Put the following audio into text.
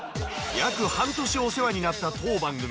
約半年お世話になった当番組。